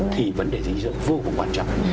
thì vấn đề dinh dưỡng vô cùng quan trọng